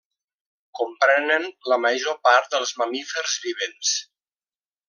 Comprenen la major part dels mamífers vivents.